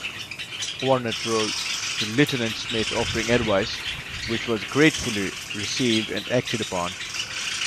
Vernet wrote to Lieutenant Smith offering advice, which was gratefully received and acted upon.